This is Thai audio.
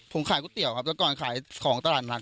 ผมขายกุ๊ตเตี๋ยวครับแล้วก่อนขายของตลาดนักครับ